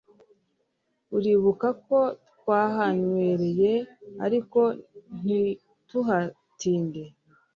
uribuka ko twahanywereye ariko ntituhatinde